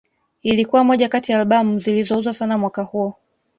Ilikuwa moja kati ya Albamu zilizouzwa sana mwaka huo